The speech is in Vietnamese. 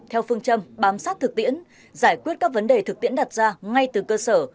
theo phương châm bám sát thực tiễn giải quyết các vấn đề thực tiễn đặt ra ngay từ cơ sở